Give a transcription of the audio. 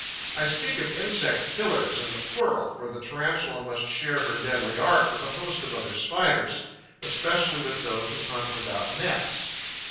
I speak of insect killers in the plural, for the Tarantula must share her deadly art with a host of other Spiders, especially with those who hunt without nets.